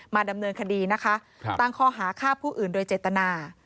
ดำเนินคดีนะคะตั้งข้อหาฆ่าผู้อื่นโดยเจตนา